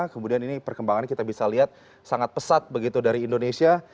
kemudian ini perkembangan kita bisa lihat sangat pesat begitu dari indonesia